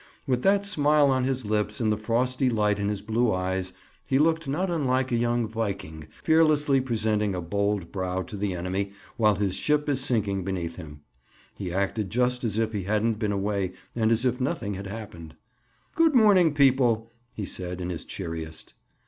With that smile on his lips and the frosty light in his blue eyes, he looked not unlike a young Viking fearlessly presenting a bold brow to the enemy while his ship is sinking beneath him. He acted just as if he hadn't been away and as if nothing had happened. "Good morning, people," he said in his cheeriest.